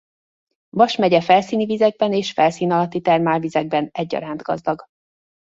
Vas megye felszíni vizekben és felszín alatti termálvizekben egyaránt gazdag.